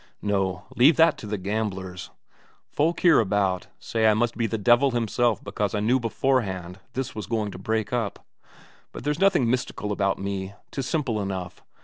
No, leave that to the gamblers. Folk hereabout say I must be the devil himself because I knew beforehand this was going to break up. But there's nothing mystical about me, 'tis simple enough.